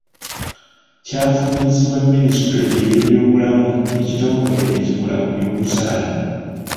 Kyafulumizibwa Ministule y'Ebyobulamu Ekitongole ekikola ku byokuzaala